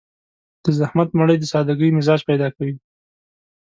د زحمت مړۍ د سادهګي مزاج پيدا کوي.